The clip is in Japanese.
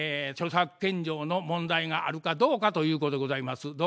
著作権上の問題があるかどうかということでございます。